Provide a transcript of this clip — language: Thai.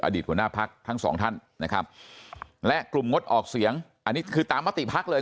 อดีตหัวหน้าพรรคทั้ง๒ท่านนะครับและกลุ่มงดออกเสียงอันนี้คือตามมติพรรคเลย